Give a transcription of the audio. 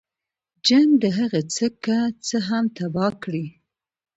جنګ د هغه څه که څه هم تباه کړي.